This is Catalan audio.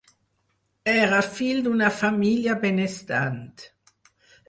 Era fill d'una família benestant.